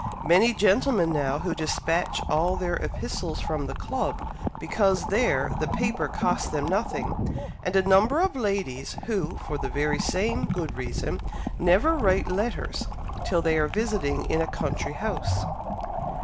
Many gentlemen now, who despatch all their epistles from the club, because there the paper costs them nothing, and a number of ladies, who, for the same good reason, never write letters till they are visiting in a country house."